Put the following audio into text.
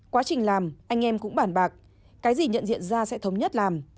quá trình làm anh em cũng bản bạc cái gì nhận diện ra sẽ thống nhất làm